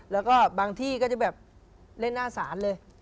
แล้วก็บางที่ก็จะแบบเล่นหน้าศาลเลย